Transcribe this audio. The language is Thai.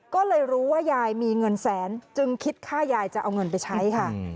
ก็เลยรู้ว่ายายมีเงินแสนจึงคิดค่ายายจะเอาเงินไปใช้ค่ะ